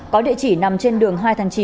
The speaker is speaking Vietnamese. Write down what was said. có địa chỉ nằm trên đường hai tháng chín